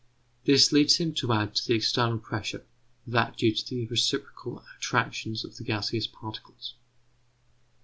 This leads him to add to the external pressure, that due to the reciprocal attractions of the gaseous particles.